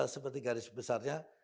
seperti garis besarnya